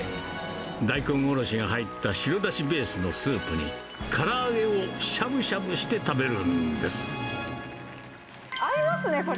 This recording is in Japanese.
大根おろしが入った白だしベースのスープに、から揚げをしゃぶし合いますね、これ。